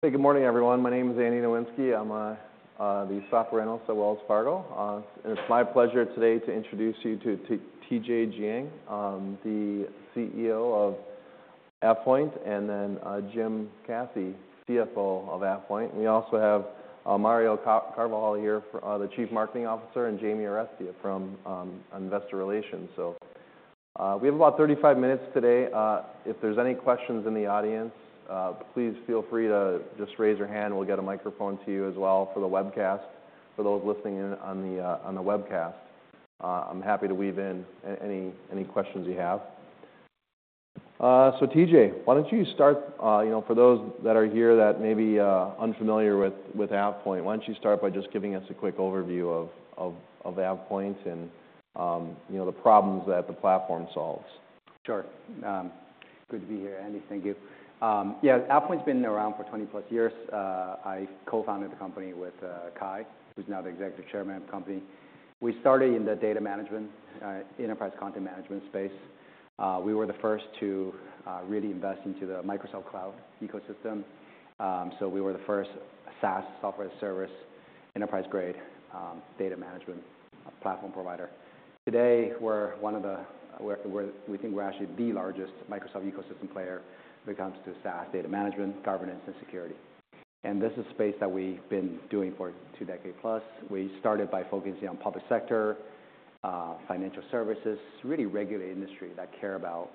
Hey, good morning, everyone. My name is Andy Nowinski. I'm the software analyst at Wells Fargo, and it's my pleasure today to introduce you to TJ Jiang, the CEO of AvePoint, and then Jim Caci, CFO of AvePoint. We also have Mario Carvajal here, the Chief Marketing Officer, and Jamie Arestia from Investor Relations. We have about 35 minutes today. If there's any questions in the audience, please feel free to just raise your hand. We'll get a microphone to you as well for the webcast. For those listening in on the webcast, I'm happy to weave in any questions you have. TJ, why don't you start, you know, for those that are here that may be unfamiliar with AvePoint, why don't you start by just giving us a quick overview of AvePoint and, you know, the problems that the platform solves? Sure. Good to be here, Andy. Thank you. Yeah, AvePoint's been around for 20+ years. I co-founded the company with Kai, who's now the Executive Chairman of the company. We started in the data management, enterprise content management space. We were the first to really invest into the Microsoft Cloud ecosystem. So we were the first SaaS software service, enterprise-grade, data management platform provider. Today, we're one of the. We think we're actually the largest Microsoft ecosystem player when it comes to SaaS data management, governance, and security. And this is a space that we've been doing for two decades-plus. We started by focusing on public sector, financial services, really regulated industry that care about,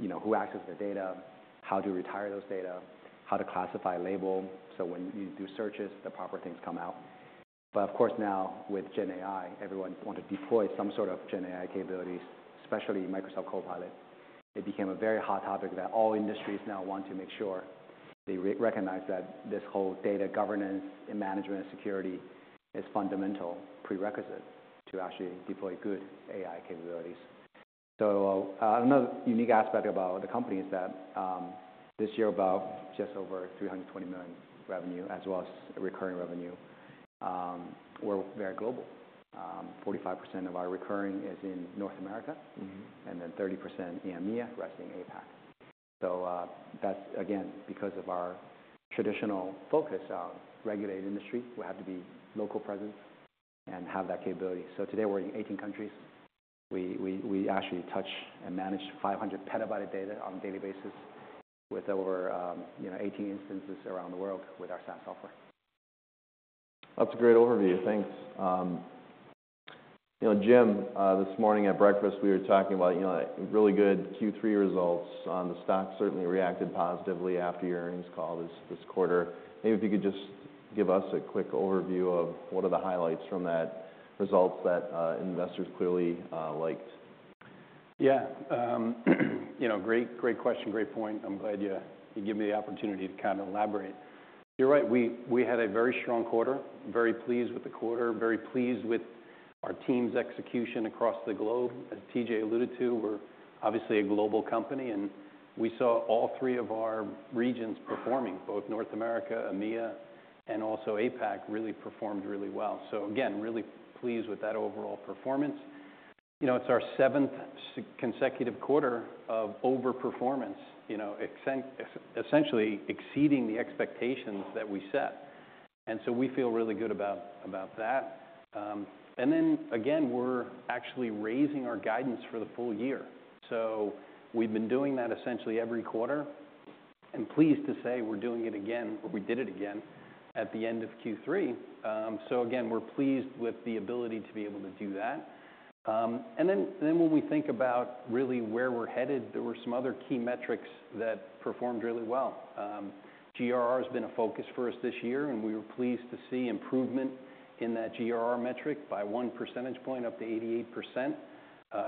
you know, who access the data, how to retire those data, how to classify label. So when you do searches, the proper things come out. But of course, now with GenAI, everyone wants to deploy some sort of GenAI capabilities, especially Microsoft Copilot. It became a very hot topic that all industries now want to make sure they recognize that this whole data governance and management security is a fundamental prerequisite to actually deploy good AI capabilities. So, another unique aspect about the company is that this year, about just over $320 million revenue, as well as recurring revenue, we're very global. 45% of our recurring is in North America. Then 30% in EMEA, rest in APAC. So that's, again, because of our traditional focus on regulated industry, we have to be local presence and have that capability. So today, we're in 18 countries. We actually touch and manage 500 petabyte of data on a daily basis with over, you know, 18 instances around the world with our SaaS software. That's a great overview. Thanks. You know, Jim, this morning at breakfast, we were talking about, you know, really good Q3 results. The stock certainly reacted positively after your earnings call this, this quarter. Maybe if you could just give us a quick overview of what are the highlights from that results that investors clearly liked. Yeah. You know, great, great question. Great point. I'm glad you gave me the opportunity to kind of elaborate. You're right. We had a very strong quarter. Very pleased with the quarter. Very pleased with our team's execution across the globe. As TJ alluded to, we're obviously a global company, and we saw all three of our regions performing, both North America, EMEA, and also APAC, really performed really well. So again, really pleased with that overall performance. You know, it's our seventh consecutive quarter of overperformance, you know, essentially exceeding the expectations that we set, and so we feel really good about that, and then, again, we're actually raising our guidance for the full year. So we've been doing that essentially every quarter, and pleased to say we're doing it again, or we did it again at the end of Q3. So again, we're pleased with the ability to be able to do that. And then when we think about really where we're headed, there were some other key metrics that performed really well. GRR has been a focus for us this year, and we were pleased to see improvement in that GRR metric by one percentage point, up to 88%.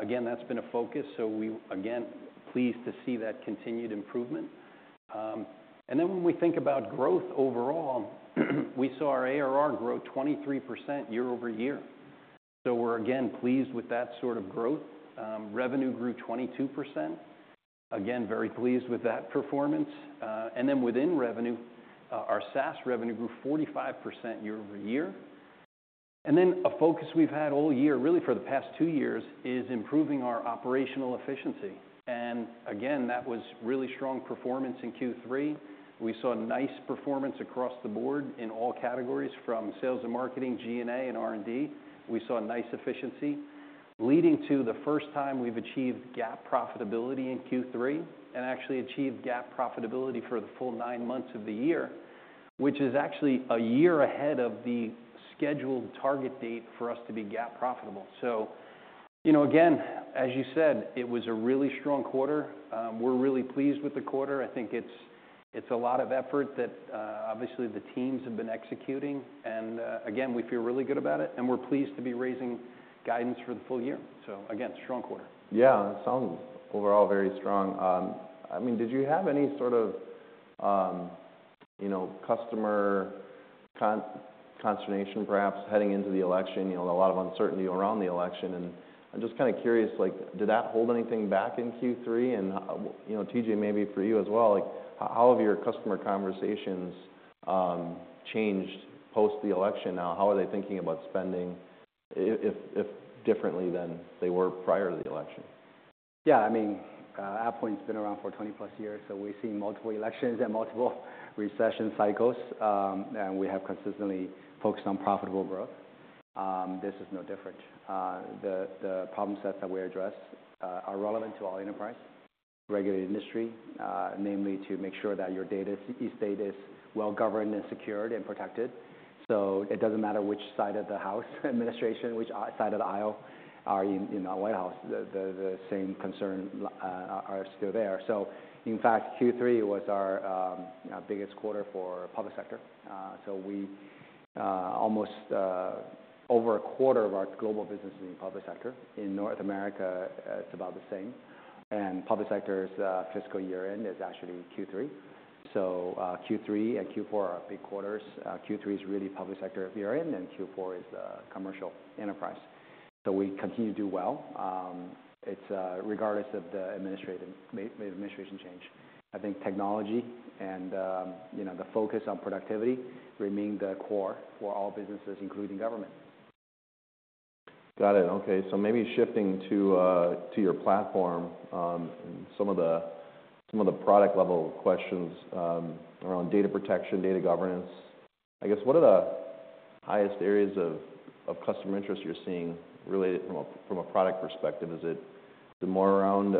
Again, that's been a focus. We're again pleased to see that continued improvement. And then when we think about growth overall, we saw our ARR grow 23% year-over-year. So we're again pleased with that sort of growth. Revenue grew 22%. Again, very pleased with that performance. And then within revenue, our SaaS revenue grew 45% year-over-year. And then a focus we've had all year, really for the past two years, is improving our operational efficiency. And again, that was really strong performance in Q3. We saw nice performance across the board in all categories from sales and marketing, G&A, and R&D. We saw nice efficiency, leading to the first time we've achieved GAAP profitability in Q3 and actually achieved GAAP profitability for the full nine months of the year, which is actually a year ahead of the scheduled target date for us to be GAAP profitable. So, you know, again, as you said, it was a really strong quarter. We're really pleased with the quarter. I think it's a lot of effort that, obviously the teams have been executing. And, again, we feel really good about it, and we're pleased to be raising guidance for the full year. So again, strong quarter. Yeah. It sounds overall very strong. I mean, did you have any sort of, you know, customer consideration perhaps heading into the election? You know, a lot of uncertainty around the election. And I'm just kind of curious, like, did that hold anything back in Q3? And, you know, TJ, maybe for you as well, like, how have your customer conversations changed post the election? How are they thinking about spending if differently than they were prior to the election? Yeah. I mean, AvePoint's been around for 20+ years, so we've seen multiple elections and multiple recession cycles. We have consistently focused on profitable growth. This is no different. The problem sets that we address are relevant to all enterprise, regulated industry, namely to make sure that your data is well-governed and secured and protected. So it doesn't matter which side of the House administration, which side of the aisle is in the White House. The same concerns are still there. So in fact, Q3 was our biggest quarter for public sector. So almost over a quarter of our global business is in public sector. In North America, it's about the same. And public sector's fiscal year-end is actually Q3. So Q3 and Q4 are our big quarters. Q3's really public sector year-end, and Q4 is commercial enterprise. We continue to do well. It's regardless of the administration change. I think technology and, you know, the focus on productivity remain the core for all businesses, including government. Got it. Okay. So maybe shifting to your platform, some of the product-level questions around data protection, data governance. I guess what are the highest areas of customer interest you're seeing related from a product perspective? Is it more around,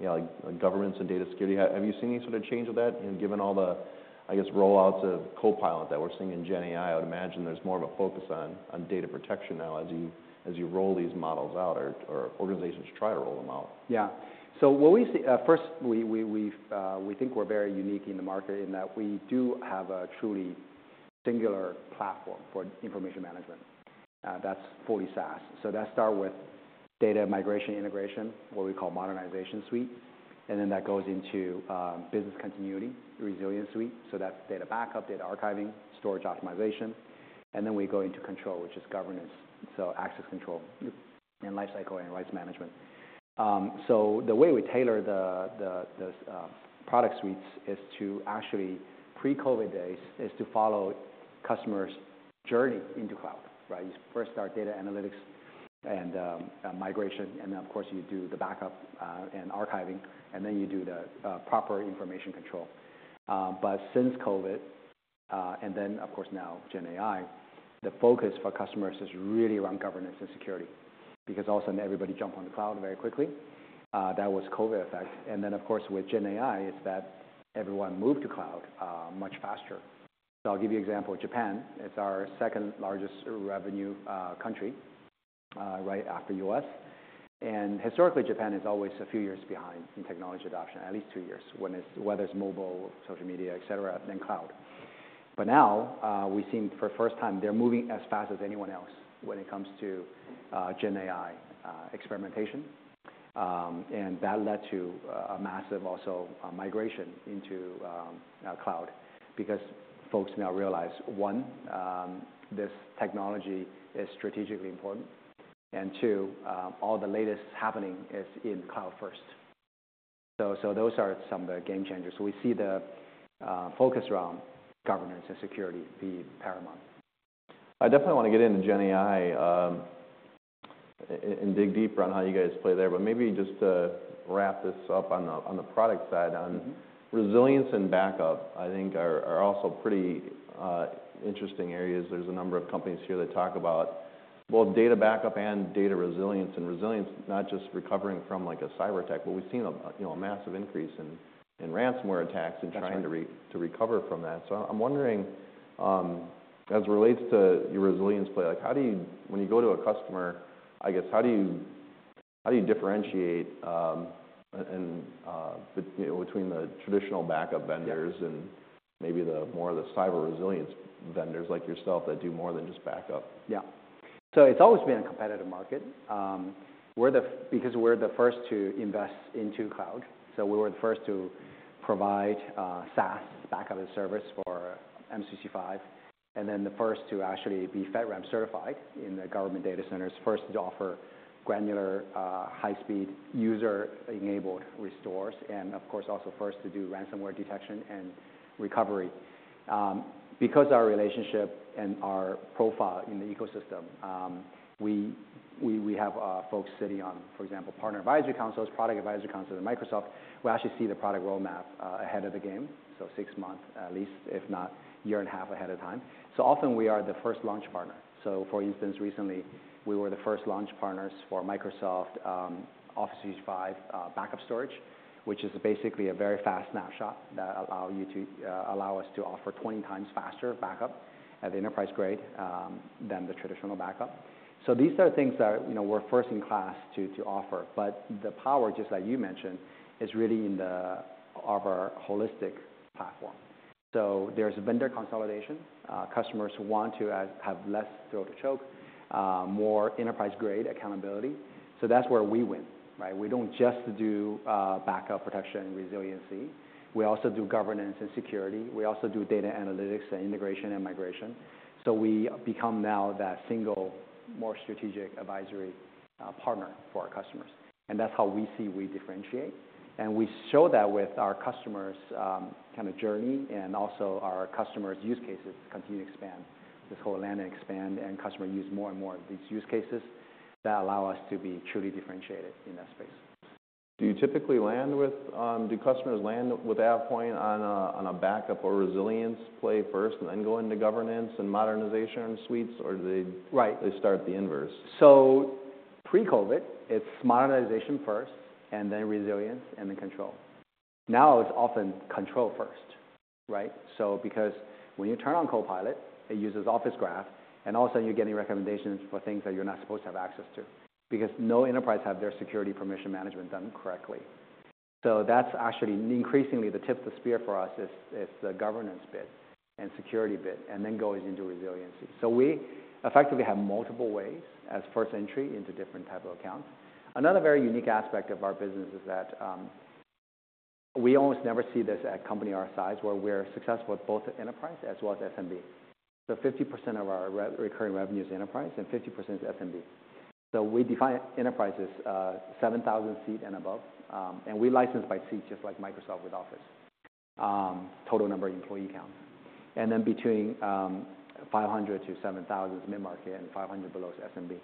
you know, like governance and data security? Have you seen any sort of change of that, you know, given all the, I guess, rollouts of Copilot that we're seeing in GenAI? I would imagine there's more of a focus on data protection now as you roll these models out or organizations try to roll them out. Yeah. So what we see first, we think we're very unique in the market in that we do have a truly singular platform for information management. That's fully SaaS. So that starts with data migration integration, what we call Modernization Suite. And then that goes into business continuity, Resilience Suite. So that's data backup, data archiving, storage optimization. And then we go into control, which is governance. So access control, and lifecycle, and rights management. So the way we tailor the product suites is to actually, pre-COVID days, follow customer's journey into cloud, right? You first start data analytics and migration. And then, of course, you do the backup, and archiving. And then you do the proper information control. But since COVID, and then, of course, now GenAI, the focus for customers is really around governance and security because all of a sudden everybody jumped on the cloud very quickly. That was COVID effect. And then, of course, with GenAI, it's that everyone moved to cloud, much faster. So I'll give you an example. Japan is our second-largest revenue country, right after U.S. And historically, Japan is always a few years behind in technology adoption, at least two years, when it's whether it's mobile, social media, etc., than cloud. But now, we've seen for the first time they're moving as fast as anyone else when it comes to GenAI experimentation. And that led to a massive also migration into cloud because folks now realize one, this technology is strategically important, and two, all the latest happening is in cloud first. So those are some of the game changers. So we see the focus around governance and security be paramount. I definitely want to get into GenAI, and dig deeper on how you guys play there but maybe just to wrap this up on the product side. Resilience and backup, I think, are also pretty interesting areas. There's a number of companies here that talk about both data backup and data resilience, and resilience, not just recovering from, like, a cyber-attack. But we've seen you know a massive increase in ransomware attacks and trying to recover from that. So I'm wondering, as it relates to your resilience play, like, how do you, when you go to a customer, I guess, differentiate between, you know, between the traditional backup vendors and maybe the more of the cyber resilience vendors like yourself that do more than just backup? Yeah. So it's always been a competitive market. Because we're the first to invest into cloud. So we were the first to provide SaaS backup and service for Microsoft 365, and then the first to actually be FedRAMP certified in the government data centers, first to offer granular, high-speed user-enabled restores, and of course, also first to do ransomware detection and recovery. Because our relationship and our profile in the ecosystem, we have folks sitting on, for example, partner advisory councils, product advisory councils, and Microsoft. We actually see the product roadmap ahead of the game, so six months, at least, if not a year and a half ahead of time. So often we are the first launch partner. So for instance, recently, we were the first launch partners for Microsoft Office 365 Backup Storage, which is basically a very fast snapshot that allow us to offer 20 times faster backup at the enterprise grade than the traditional backup. So these are things that, you know, we're first in class to offer. But the power, just like you mentioned, is really in the power of our holistic platform. So there's vendor consolidation. Customers want to have less throat to choke, more enterprise-grade accountability. So that's where we win, right? We don't just do backup protection and resiliency. We also do governance and security. We also do data analytics and integration and migration. So we become now that single, more strategic advisory partner for our customers. And that's how we see we differentiate. We show that with our customers' kind of journey and also our customers' use cases continue to expand. This whole land and expand, and customers use more and more of these use cases that allow us to be truly differentiated in that space. Do customers land with AvePoint on a backup or resilience play first and then go into governance and Modernization Suites, or do they? Right. They start the inverse? So pre-COVID, it's modernization first, and then resilience, and then control. Now it's often control first, right? So because when you turn on Copilot, it uses Office Graph, and all of a sudden you're getting recommendations for things that you're not supposed to have access to because no enterprise has their security permission management done correctly. So that's actually increasingly the tip of the spear for us is the governance bit and security bit, and then goes into resiliency. So we effectively have multiple ways as first entry into different type of accounts. Another very unique aspect of our business is that, we almost never see this at a company our size where we're successful at both enterprise as well as SMB. So 50% of our recurring revenue is enterprise, and 50% is SMB. So we define enterprise as 7,000 seat and above. And we license by seat, just like Microsoft with Office, total number of employee count. And then between 500-7,000 is mid-market, and 500 below is SMB.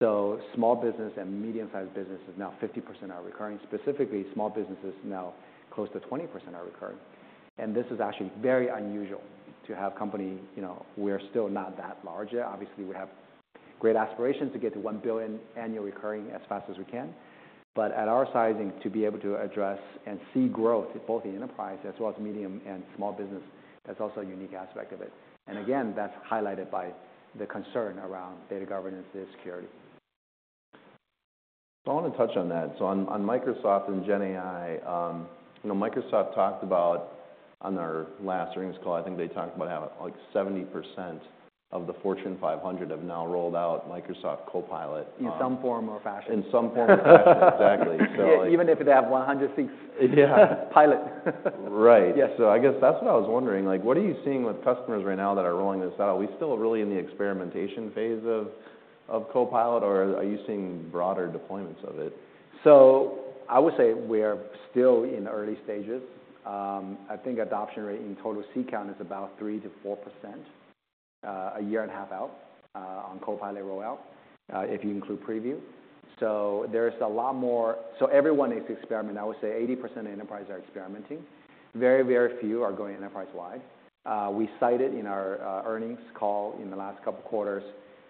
So small business and medium-sized business is now 50% are recurring. Specifically, small business is now close to 20% are recurring. And this is actually very unusual to have company, you know, we're still not that large yet. Obviously, we have great aspirations to get to 1 billion annual recurring as fast as we can. But at our sizing, to be able to address and see growth both in enterprise as well as medium and small business, that's also a unique aspect of it. And again, that's highlighted by the concern around data governance and data security. I want to touch on that. On Microsoft and GenAI, you know, Microsoft talked about on their last earnings call. I think they talked about how, like, 70% of the Fortune 500 have now rolled out Microsoft Copilot. In some form or fashion. In some form or fashion. Exactly. So, like. Even if they have 100 seats. Yeah. Pilot. Right. Yes. So I guess that's what I was wondering. Like, what are you seeing with customers right now that are rolling this out? Are we still really in the experimentation phase of Copilot, or are you seeing broader deployments of it? So I would say we are still in early stages. I think adoption rate in total seat count is about 3%-4%, a year and a half out, on Copilot rollout, if you include preview. So there's a lot more. So everyone is experimenting. I would say 80% of enterprise are experimenting. Very, very few are going enterprise wide. We cited in our earnings call in the last couple quarters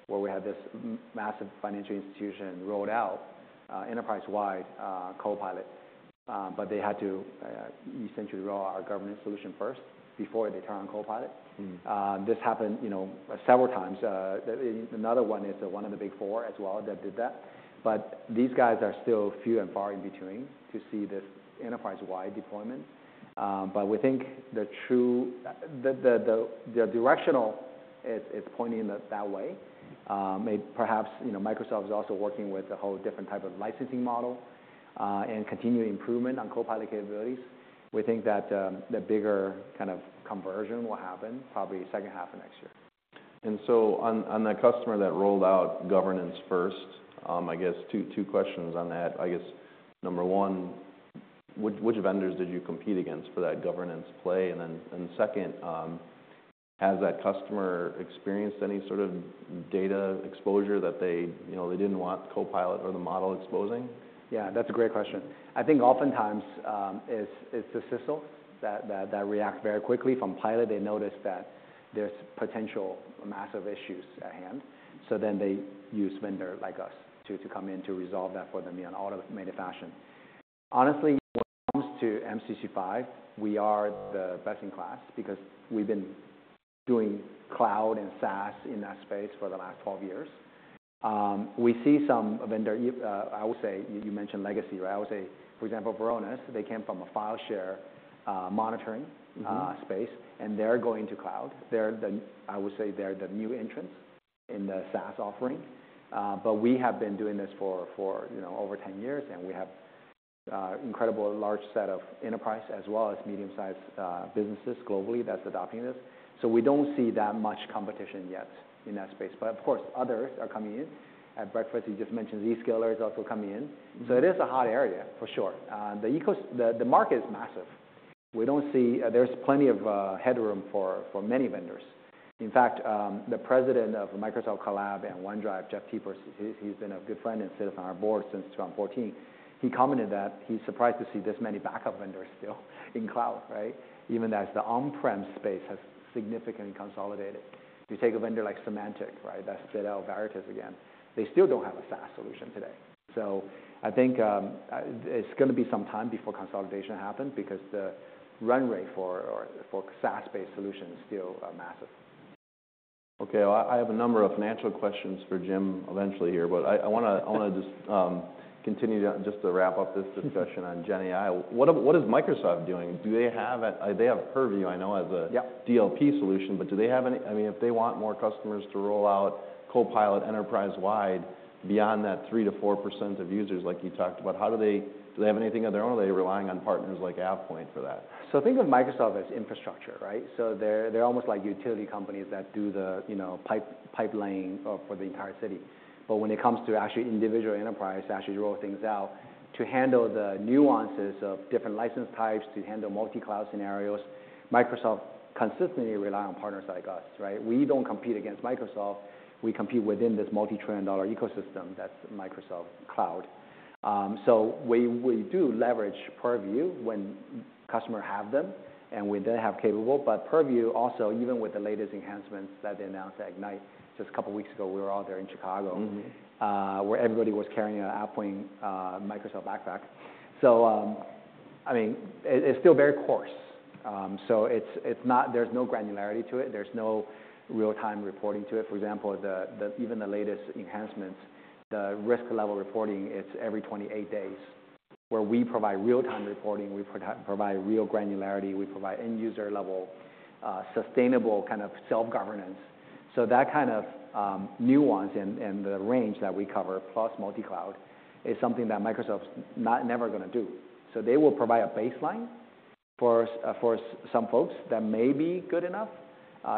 where we had this massive financial institution rolled out, enterprise-wide, Copilot. But they had to essentially roll out our governance solution first before they turn on Copilot. This happened, you know, several times. Another one is one of the Big Four as well that did that. But these guys are still few and far in between to see this enterprise-wide deployment, but we think the true directional is pointing in that way. May perhaps, you know, Microsoft is also working with a whole different type of licensing model, and continued improvement on Copilot capabilities. We think that the bigger kind of conversion will happen probably second half of next year. And so on, on the customer that rolled out governance first. I guess two questions on that. I guess number one, which vendors did you compete against for that governance play? And second, has that customer experienced any sort of data exposure that they, you know, didn't want Copilot or the model exposing? Yeah. That's a great question. I think oftentimes, it's the CISOs that react very quickly from pilot. They notice that there's potential massive issues at hand. So then they use vendors like us to come in to resolve that for them in an automated fashion. Honestly, when it comes to M365, we are the best in class because we've been doing cloud and SaaS in that space for the last 12 years. We see some vendor you. I would say you mentioned legacy, right? I would say, for example, Varonis. They came from a file share monitoring space. They're going to cloud. They're the, I would say they're the new entrants in the SaaS offering. But we have been doing this for, you know, over 10 years, and we have incredible large set of enterprise as well as medium-sized businesses globally that's adopting this. So we don't see that much competition yet in that space. But of course, others are coming in. At breakfast, you just mentioned Zscaler is also coming in. It is a hot area for sure. The ecosystem, the market is massive. We don't see. There's plenty of headroom for many vendors. In fact, the president of Microsoft Collab and OneDrive, Jeff Teper, he's been a good friend and sits on our board since 2014. He commented that he's surprised to see this many backup vendors still in cloud, right? Even as the on-prem space has significantly consolidated. You take a vendor like Symantec, right, that's still a laggard again, they still don't have a SaaS solution today. I think it's going to be some time before consolidation happens because the run rate for SaaS-based solutions is still massive. Okay. Well, I have a number of financial questions for Jim eventually here, but I want to just continue to wrap up this discussion on GenAI. What is Microsoft doing? They have Purview, I know, as a. Yep. DLP solution, but do they have any? I mean, if they want more customers to roll out Copilot enterprise-wide beyond that 3%-4% of users like you talked about, how do they, do they have anything of their own? Are they relying on partners like AvePoint for that? So think of Microsoft as infrastructure, right? So they're almost like utility companies that do the, you know, pipe, pipeline for the entire city. But when it comes to actually individual enterprise, actually roll things out to handle the nuances of different license types, to handle multi-cloud scenarios, Microsoft consistently rely on partners like us, right? We don't compete against Microsoft. We compete within this multi-trillion-dollar ecosystem that's Microsoft Cloud. So we do leverage Purview when customers have them, and we then have capable. But Purview also, even with the latest enhancements that they announced at Ignite just a couple weeks ago, we were out there in Chicago. Where everybody was carrying an AvePoint Microsoft backpack. So, I mean, it's still very coarse. So it's not; there's no granularity to it. There's no real-time reporting to it. For example, even the latest enhancements, the risk level reporting, it's every 28 days where we provide real-time reporting. We provide real granularity. We provide end-user level, sustainable kind of self-governance. So that kind of nuance and the range that we cover, plus multi-cloud, is something that Microsoft's not never going to do. So they will provide a baseline for some folks that may be good enough,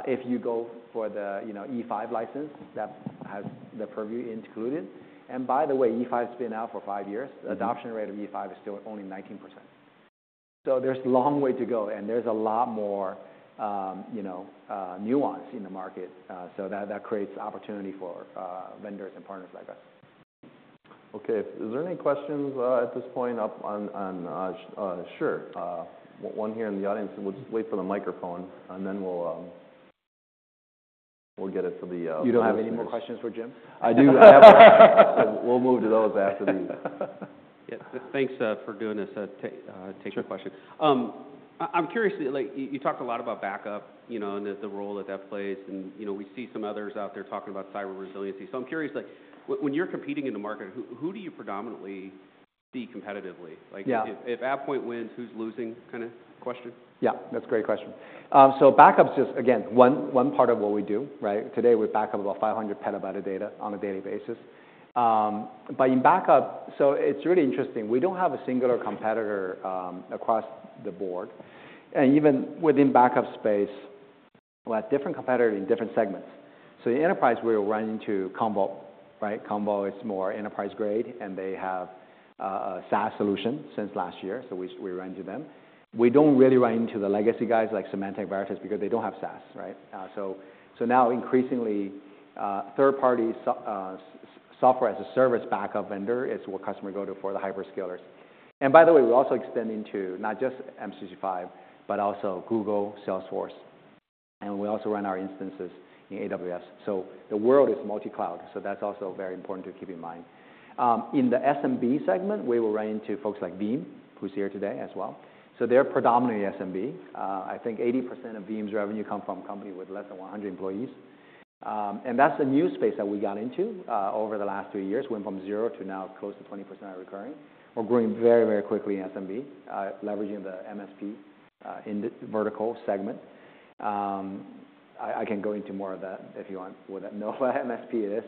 if you go for the, you know, E5 license that has the Purview included. And by the way, E5's been out for five years. The adoption rate of E5 is still only 19%. So there's a long way to go, and there's a lot more, you know, nuance in the market. So that creates opportunity for vendors and partners like us. Okay. Is there any questions at this point? One here in the audience. We'll just wait for the microphone, and then we'll get it to the, You don't have any more questions for Jim? I do. I have. We'll move to those after these. Yeah. Thanks for doing this, taking questions. I'm curious, like, you talked a lot about backup, you know, and the, the role that that plays. And, you know, we see some others out there talking about cyber resiliency. So I'm curious, like, when you're competing in the market, who, who do you predominantly beat competitively? Like. Yeah. If AvePoint wins, who's losing kind of question? Yeah. That's a great question. So backup's just, again, one part of what we do, right? Today we back up about 500 petabyte of data on a daily basis. But in backup, so it's really interesting. We don't have a singular competitor across the board. And even within backup space, we have different competitors in different segments. So in enterprise, we're running to Commvault, right? Commvault is more enterprise grade, and they have a SaaS solution since last year. So we ran to them. We don't really run into the legacy guys like Symantec, Veritas, because they don't have SaaS, right? So now increasingly, third-party software as a service backup vendor is what customers go to for the hyperscalers. And by the way, we also extend into not just M365, but also Google, Salesforce. And we also run our instances in AWS. The world is multi-cloud, so that's also very important to keep in mind. In the SMB segment, we will run into folks like Veeam, who's here today as well. They're predominantly SMB. I think 80% of Veeam's revenue comes from a company with less than 100 employees. That's a new space that we got into over the last two years. Went from 0 to now close to 20% recurring. We're growing very, very quickly in SMB, leveraging the MSP in the vertical segment. I can go into more of that if you want, what that MSP is.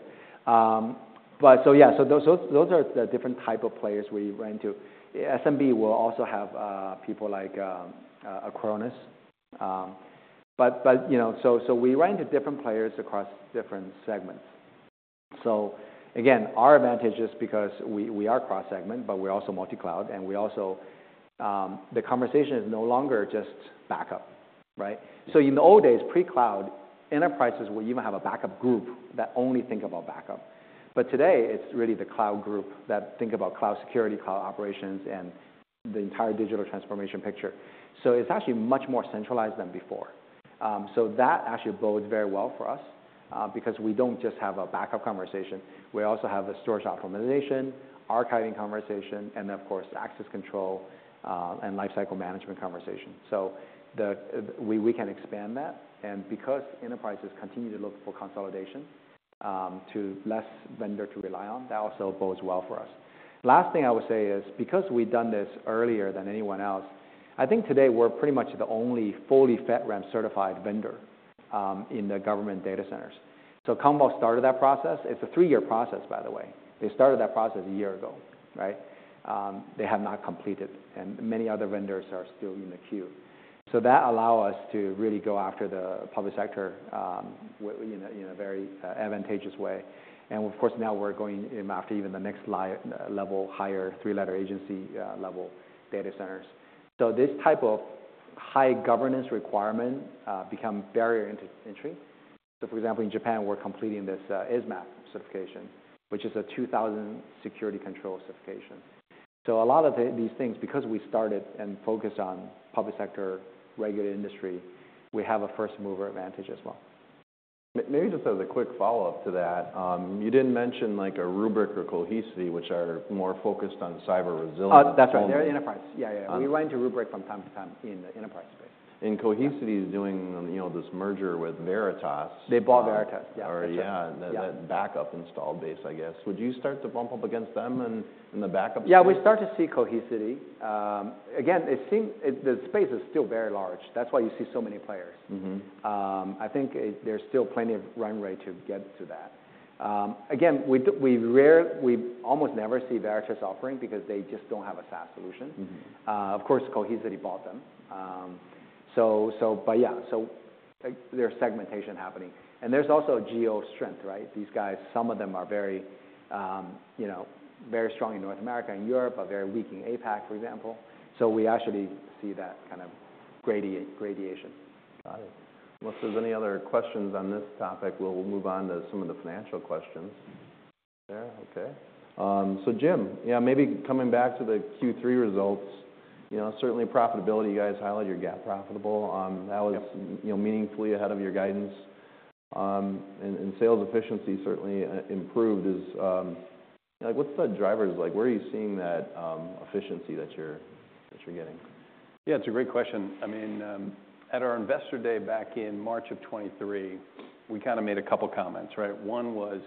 Yeah. Those are the different type of players we run into. SMB will also have people like Acronis. You know, we run into different players across different segments. So again, our advantage is because we are cross-segment, but we're also multi-cloud, and the conversation is no longer just backup, right? So in the old days, pre-cloud, enterprises would even have a backup group that only think about backup. But today, it's really the cloud group that think about cloud security, cloud operations, and the entire digital transformation picture. So it's actually much more centralized than before. So that actually bodes very well for us, because we don't just have a backup conversation. We also have a storage optimization, archiving conversation, and then, of course, access control, and lifecycle management conversation. So we can expand that. And because enterprises continue to look for consolidation, to less vendor to rely on, that also bodes well for us. Last thing I would say is, because we've done this earlier than anyone else, I think today we're pretty much the only fully FedRAMP-certified vendor, in the government data centers. So Commvault started that process. It's a three-year process, by the way. They started that process a year ago, right? They have not completed, and many other vendors are still in the queue. So that allows us to really go after the public sector, in a very advantageous way. And of course, now we're going in after even the next level higher three-letter agency, level data centers. So this type of high governance requirement, becomes a barrier into entry. So for example, in Japan, we're completing this ISMAP certification, which is a 2,000 security control certification. So a lot of these things, because we started and focused on public sector, regulated industry, we have a first-mover advantage as well. Maybe just as a quick follow-up to that, you didn't mention, like, a Rubrik or Cohesity, which are more focused on cyber resilience. Oh, that's right. They're enterprise. Yeah, yeah. Okay. We ran into Rubrik from time to time in the enterprise space. Cohesity is doing, you know, this merger with Veritas. They bought Veritas. Yeah. Or, yeah, that backup install base, I guess. Would you start to bump up against them in the backup space? Yeah. We start to see Cohesity again, it seems the space is still very large. That's why you see so many players. I think there's still plenty of run rate to get to that. Again, we rarely see Veritas offering because they just don't have a SaaS solution. Of course, Cohesity bought them. So, but yeah. So there's segmentation happening. And there's also a geo strength, right? These guys, some of them are very, you know, very strong in North America and Europe, but very weak in APAC, for example. So we actually see that kind of gradation. Got it. Unless there's any other questions on this topic, we'll move on to some of the financial questions. Right there. Okay, so Jim, yeah, maybe coming back to the Q3 results, you know, certainly profitability, you guys highlighted your GAAP profitable. That was. Yep. You know, meaningfully ahead of your guidance. And sales efficiency certainly improved, like, what's the drivers? Like, where are you seeing that efficiency that you're getting? Yeah. It's a great question. I mean, at our Investor Day back in March of 2023, we kind of made a couple comments, right? One was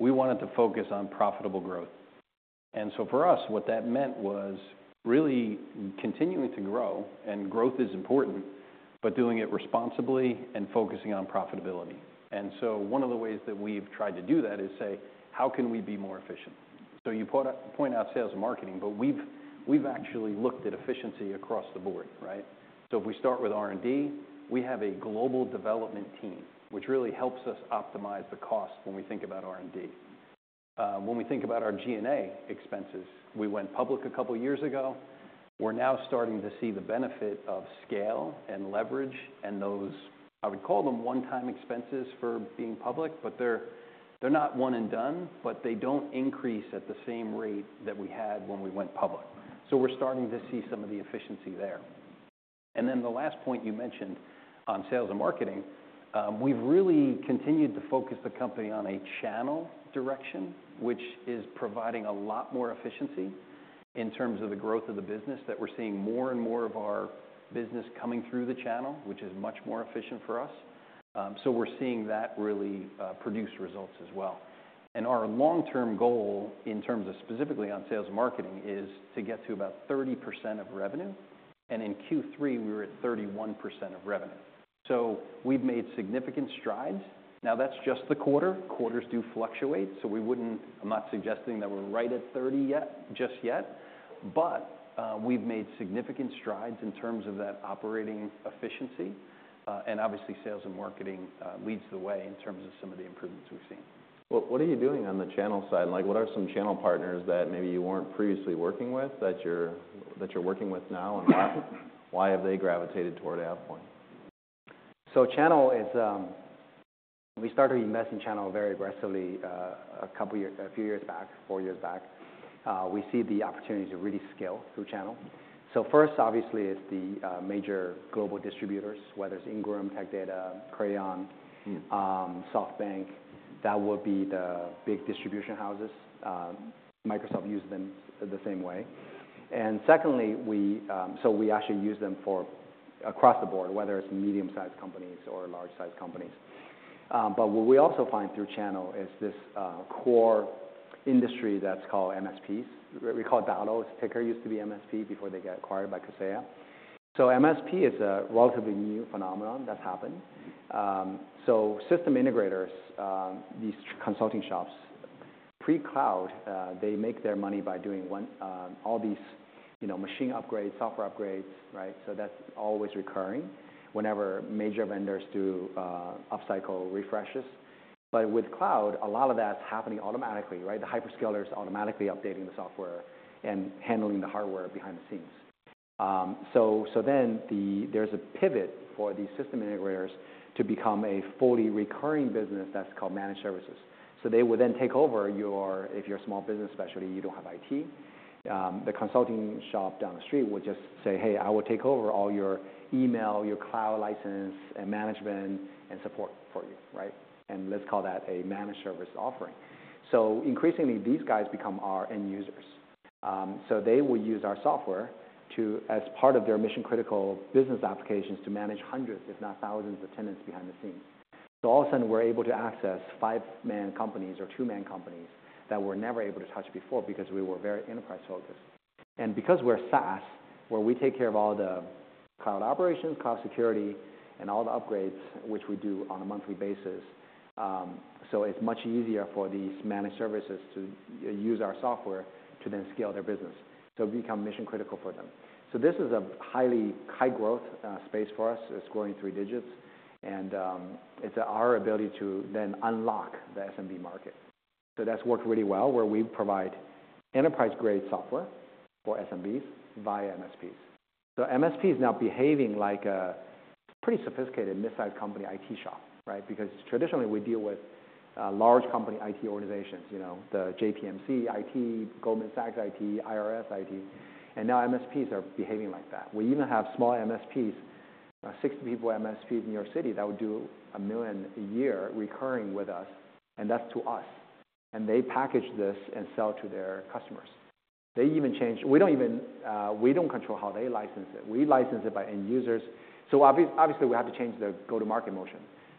we wanted to focus on profitable growth. And so for us, what that meant was really continuing to grow, and growth is important, but doing it responsibly and focusing on profitability. And so one of the ways that we've tried to do that is say, how can we be more efficient? So you put a point out sales and marketing, but we've, we've actually looked at efficiency across the board, right? So if we start with R&D, we have a global development team, which really helps us optimize the cost when we think about R&D. When we think about our G&A expenses, we went public a couple years ago. We're now starting to see the benefit of scale and leverage and those. I would call them one-time expenses for being public, but they're, they're not one and done, but they don't increase at the same rate that we had when we went public. So we're starting to see some of the efficiency there. And then the last point you mentioned on sales and marketing, we've really continued to focus the company on a channel direction, which is providing a lot more efficiency in terms of the growth of the business that we're seeing more and more of our business coming through the channel, which is much more efficient for us. So we're seeing that really produce results as well. And our long-term goal in terms of specifically on sales and marketing is to get to about 30% of revenue. And in Q3, we were at 31% of revenue. So we've made significant strides. Now, that's just the quarter. Quarters do fluctuate, so we wouldn't. I'm not suggesting that we're right at 30 yet, just yet. But, we've made significant strides in terms of that operating efficiency. And obviously, sales and marketing leads the way in terms of some of the improvements we've seen. What are you doing on the channel side? And, like, what are some channel partners that maybe you weren't previously working with that you're working with now, and why have they gravitated toward AvePoint? Channel is, we started investing in channel very aggressively, a couple years, a few years back, four years back. We see the opportunity to really scale through channel. First, obviously, it's the major global distributors, whether it's Ingram, Tech Data, Crayon, SoftBank. That would be the big distribution houses. Microsoft uses them the same way. Secondly, we actually use them across the board, whether it's medium-sized companies or large-sized companies. But what we also find through channel is this core industry that's called MSPs. We call it Datto. Ticker used to be MSP before they got acquired by Kaseya. MSP is a relatively new phenomenon that's happened. System integrators, these consulting shops, pre-cloud, they make their money by doing all these, you know, machine upgrades, software upgrades, right? That's always recurring whenever major vendors do upcycle refreshes. But with cloud, a lot of that's happening automatically, right? The hyperscalers are automatically updating the software and handling the hardware behind the scenes. So then there's a pivot for these system integrators to become a fully recurring business that's called managed services. So they will then take over your, if you're a small business, especially, you don't have IT. The consulting shop down the street will just say, "Hey, I will take over all your email, your cloud license, and management and support for you," right? And let's call that a managed service offering. So increasingly, these guys become our end users. So they will use our software to, as part of their mission-critical business applications, to manage hundreds, if not thousands, of tenants behind the scenes. So all of a sudden, we're able to access five-man companies or two-man companies that we were never able to touch before because we were very enterprise-focused. And because we're SaaS, where we take care of all the cloud operations, cloud security, and all the upgrades, which we do on a monthly basis, so it's much easier for these managed services to use our software to then scale their business. So it becomes mission-critical for them. So this is a highly high-growth space for us. It's growing three digits. And it's our ability to then unlock the SMB market. So that's worked really well, where we provide enterprise-grade software for SMBs via MSPs. So MSP is now behaving like a pretty sophisticated midsize company IT shop, right? Because traditionally, we deal with large company IT organizations, you know, the JPMC IT, Goldman Sachs IT, IRS IT. Now MSPs are behaving like that. We even have small MSPs, 60-person MSPs in New York City that would do $1 million a year recurring with us, and that's to us. They package this and sell to their customers. They even change, we don't even, we don't control how they license it. We license it by end users. So obviously, we have to change the go-to-market motion.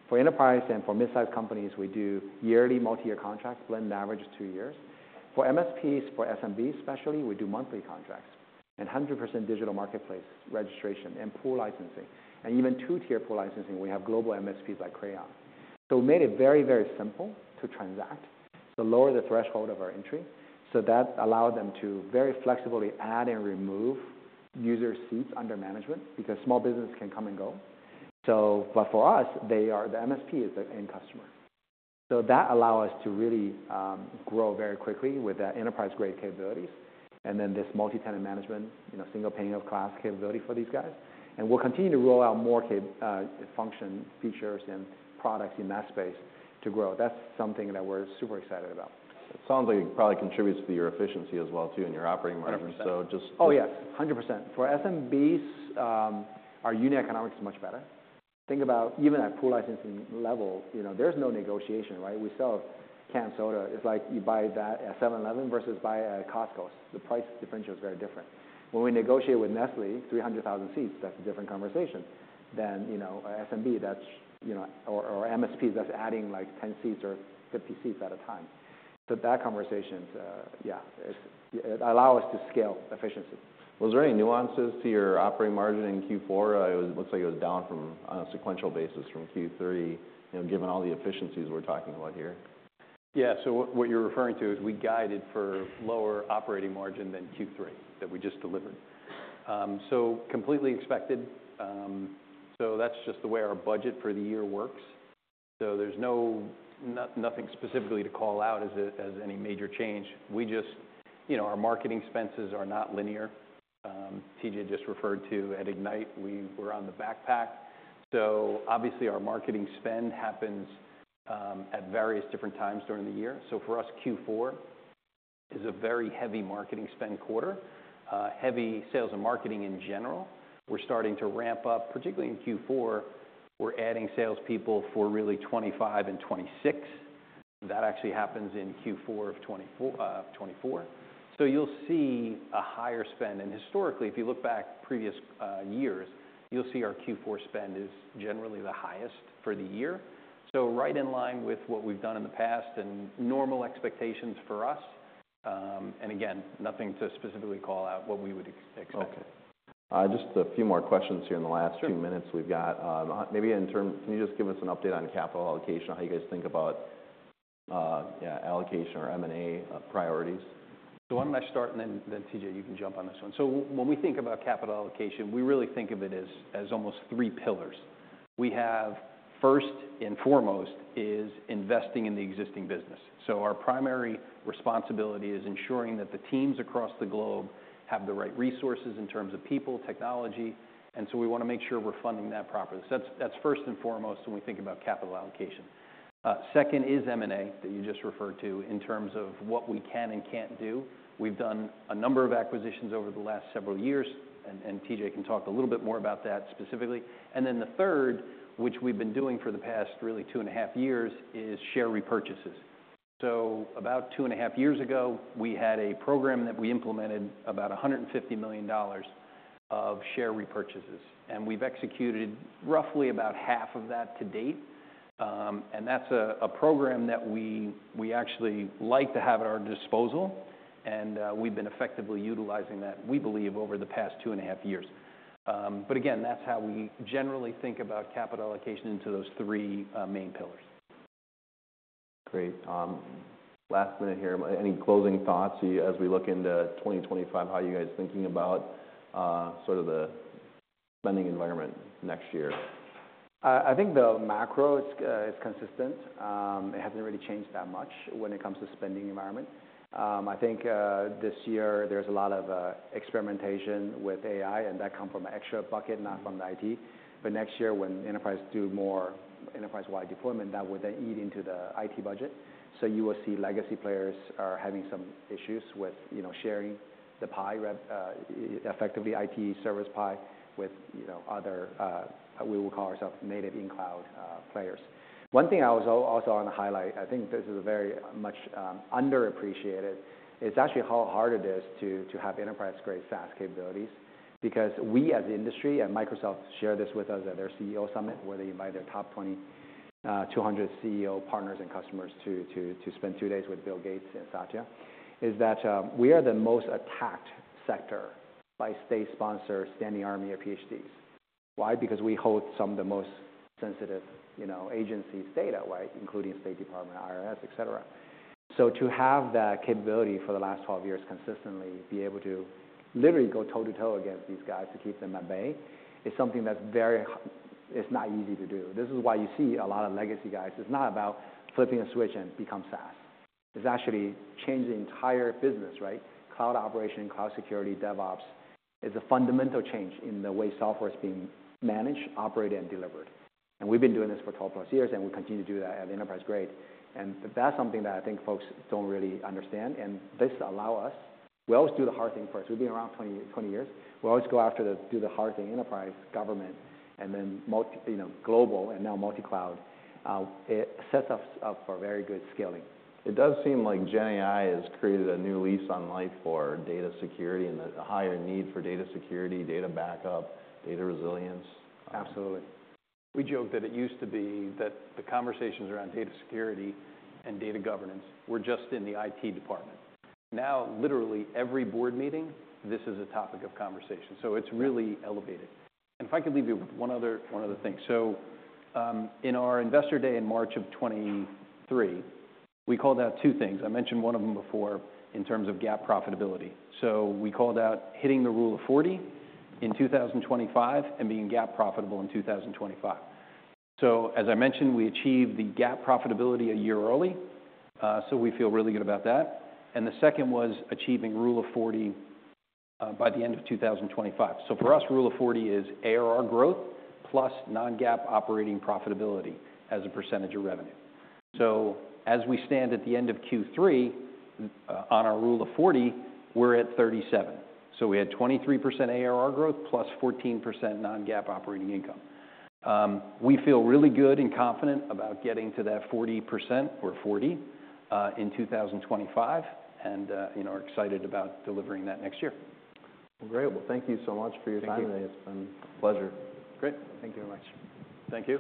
For enterprise and for midsize companies, we do yearly multi-year contracts, blend average of two years. For MSPs, for SMBs especially, we do monthly contracts and 100% digital marketplace registration and pool licensing. Even two-tier pool licensing, we have global MSPs like Crayon. We made it very, very simple to transact, so lower the threshold of our entry. So that allowed them to very flexibly add and remove user seats under management because small businesses can come and go. So, but for us, they are the MSP is the end customer. So that allows us to really grow very quickly with the enterprise-grade capabilities and then this multi-tenant management, you know, single pane of glass capability for these guys. And we'll continue to roll out more capabilities, functions, features and products in that space to grow. That's something that we're super excited about. It sounds like it probably contributes to your efficiency as well too in your operating margins. 100%. So just. Oh, yes. 100%. For SMBs, our unit economics is much better. Think about even at pool licensing level, you know, there's no negotiation, right? We sell canned soda. It's like you buy that at 7-Eleven versus buy at Costco. The price differential is very different. When we negotiate with Nestlé, 300,000 seats, that's a different conversation than, you know, SMB that's, you know, or MSPs that's adding like 10 seats or 50 seats at a time. So that conversations, yeah, it's, it allows us to scale efficiency. Was there any nuances to your operating margin in Q4? It was, it looks like it was down from on a sequential basis from Q3, you know, given all the efficiencies we're talking about here. Yeah. So what, what you're referring to is we guided for lower operating margin than Q3 that we just delivered. So completely expected. So that's just the way our budget for the year works. So there's no, nothing specifically to call out as a, as any major change. We just, you know, our marketing expenses are not linear. TJ just referred to at Ignite, we were on the backpack. So obviously, our marketing spend happens at various different times during the year. So for us, Q4 is a very heavy marketing spend quarter, heavy sales and marketing in general. We're starting to ramp up, particularly in Q4. We're adding salespeople for really 2025 and 2026. That actually happens in Q4 of 2024. So you'll see a higher spend. And historically, if you look back previous years, you'll see our Q4 spend is generally the highest for the year. So, right in line with what we've done in the past and normal expectations for us, and again, nothing to specifically call out what we would expect. Okay. Just a few more questions here in the last few minutes we've got. Maybe in terms, can you just give us an update on capital allocation, how you guys think about, yeah, allocation or M&A priorities? So why don't I start and then TJ, you can jump on this one. So when we think about capital allocation, we really think of it as almost three pillars. We have first and foremost is investing in the existing business. So our primary responsibility is ensuring that the teams across the globe have the right resources in terms of people, technology. And so we want to make sure we're funding that properly. So that's first and foremost when we think about capital allocation. Second is M&A that you just referred to in terms of what we can and can't do. We've done a number of acquisitions over the last several years, and TJ can talk a little bit more about that specifically. And then the third, which we've been doing for the past really two and a half years, is share repurchases. About two and a half years ago, we had a program that we implemented about $150 million of share repurchases. We've executed roughly about $75 million of that to date. That's a program that we actually like to have at our disposal. We've been effectively utilizing that, we believe, over the past two and a half years. Again, that's how we generally think about capital allocation into those three main pillars. Great. Last minute here, any closing thoughts as we look into 2025, how you guys are thinking about, sort of the spending environment next year? I think the macro is consistent. It hasn't really changed that much when it comes to spending environment. I think this year there's a lot of experimentation with AI, and that comes from an extra bucket, not from the IT. But next year, when enterprises do more enterprise-wide deployment, that will then eat into the IT budget. So you will see legacy players are having some issues with, you know, sharing the pie, repartitioning effectively IT service pie with, you know, other, we will call ourselves native in-cloud, players. One thing I was also onto highlight. I think this is very much underappreciated. It is actually how hard it is to have enterprise-grade SaaS capabilities because we as the industry, and Microsoft shared this with us at their CEO summit where they invited their top 200 CEO partners and customers to spend two days with Bill Gates and Satya. It is that we are the most attacked sector by state sponsors, standing army of PhDs. Why? Because we hold some of the most sensitive, you know, agencies' data, right, including State Department, IRS, etc. So to have that capability for the last 12 years consistently, be able to literally go toe-to-toe against these guys to keep them at bay is something that's very, it's not easy to do. This is why you see a lot of legacy guys. It's not about flipping a switch and become SaaS. It's actually changing the entire business, right? Cloud operation, cloud security, DevOps is a fundamental change in the way software is being managed, operated, and delivered, and we've been doing this for 12+ years, and we continue to do that at enterprise-grade, and that's something that I think folks don't really understand, and this allows us, we always do the hard thing first. We've been around 20, 20 years. We always go after the, do the hard thing, enterprise, government, and then multi, you know, global, and now multi-cloud. It sets us up for very good scaling. It does seem like GenAI has created a new lease on life for data security and the higher need for data security, data backup, data resilience. Absolutely. We joke that it used to be that the conversations around data security and data governance were just in the IT department. Now, literally every board meeting, this is a topic of conversation. So it's really elevated. And if I could leave you with one other, one other thing. So, in our investor day in March of 2023, we called out two things. I mentioned one of them before in terms of GAAP profitability. So we called out hitting the Rule of 40 in 2025 and being GAAP profitable in 2025. So, as I mentioned, we achieved the GAAP profitability a year early. So we feel really good about that. And the second was achieving Rule of 40, by the end of 2025. So for us, Rule of 40 is ARR growth plus non-GAAP operating profitability as a percentage of revenue. So as we stand at the end of Q3, on our Rule of 40, we're at 37. So we had 23% ARR growth +14% non-GAAP operating income. We feel really good and confident about getting to that 40% or 40, in 2025. And, you know, we're excited about delivering that next year. Great. Thank you so much for your time today. It's been a pleasure. Great. Thank you very much. Thank you.